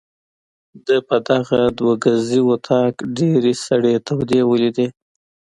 ده په دغه دوه ګزي وطاق ډېرې سړې تودې ولیدې.